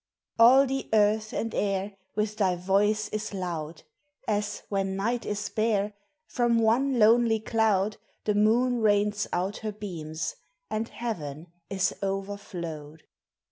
All the earth and air With thy voice is loud, As, when night is bare, From one lonely cloud The moon rains out her beams, and heaven is over flowed.